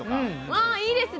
ああいいですね。